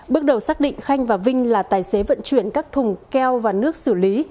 bước đầu xác định khanh và vinh là tài xế vận chuyển các thùng keo và nước xử lý